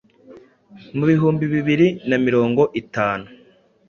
mu bihumbi bibiri na mirongo itanu